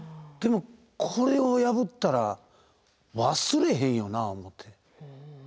でもこれを破ったら忘れへんよな思って。